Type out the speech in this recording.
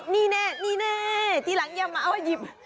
นี่แน่นี่แน่ทีหลังอย่ามาเอาหยิบ